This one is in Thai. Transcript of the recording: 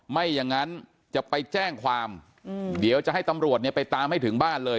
ไม่อย่างนั้นจะไปแจ้งความเดี๋ยวจะให้ตำรวจเนี่ยไปตามให้ถึงบ้านเลย